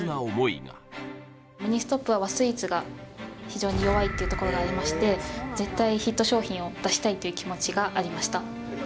がミニストップは和スイーツが非常に弱いっていうところがありましてっていう気持ちがありました